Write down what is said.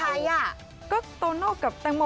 เกี่ยวมากใช่ไหม